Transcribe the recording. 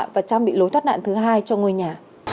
và trang bị lối thoát nạn thứ hai cho ngôi nhà